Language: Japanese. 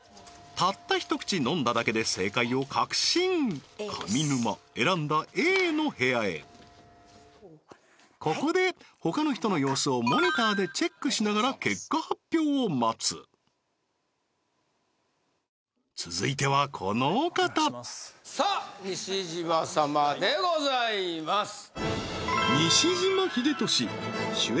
たったひと口飲んだだけで正解を確信上沼選んだＡの部屋へここでほかの人の様子をモニターでチェックしながら結果発表を待つ続いてはこのお方さあ西島様でございます西島秀俊主演